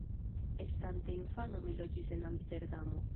Estante infano mi loĝis en Amsterdamo.